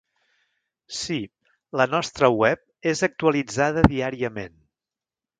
Si, la nostra web és actualitzada diàriament.